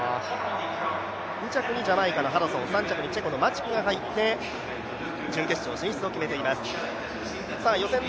２着にジャマイカのハドソン３着にチェコのマチクが入って準決勝進出を決めています。